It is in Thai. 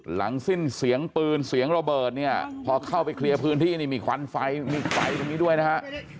หลังสิ้นเสียงปืนเสียงระเบิดเนี่ยพอเข้าไปเคลียร์พื้นที่นี่มีควันไฟมีไฟตรงนี้ด้วยนะฮะ